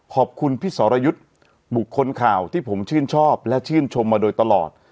ขอบคุณพี่สรยุทธ์บุคคลข่าวที่ผมชื่นชอบและชื่นชมมาโดยตลอด